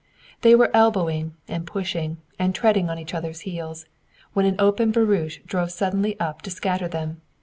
They were elbowing, and pushing, and treading on each other's heels, when an open barouche drove suddenly up to scatter them.